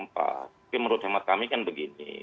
tapi menurut hemat kami kan begini